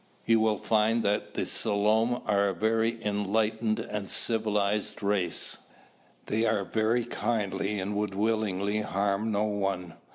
You will find that the Selom are an enlightened and civilized race. They are very kindly and would willingly harm no one."